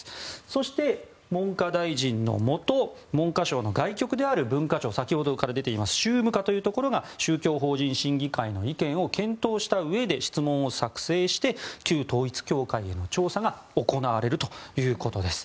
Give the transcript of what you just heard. そして、文科大臣のもと文科省の外局である文化庁、先ほどから出ている宗務課というところが宗教法人審議会の意見を検討したうえで質問を作成して旧統一教会への調査が行われるということです。